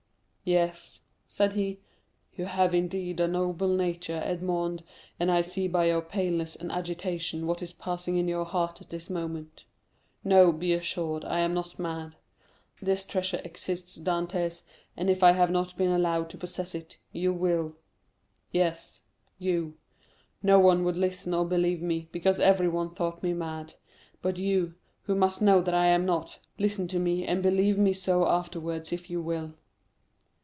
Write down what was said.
"Yes," said he. "You have, indeed, a noble nature, Edmond, and I see by your paleness and agitation what is passing in your heart at this moment. No, be assured, I am not mad. This treasure exists, Dantès, and if I have not been allowed to possess it, you will. Yes—you. No one would listen or believe me, because everyone thought me mad; but you, who must know that I am not, listen to me, and believe me so afterwards if you will."